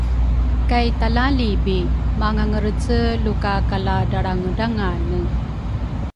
Kay talaalibi mangangerece luka kaladralrangedrangane